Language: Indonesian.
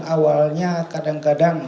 bahwa ott yang diperlukan untuk menjaga kemampuan